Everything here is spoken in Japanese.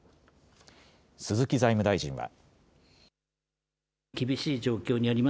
鈴木財務大臣は。